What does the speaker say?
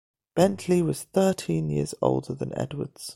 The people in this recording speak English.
Bentley was thirteen years older than Edwards.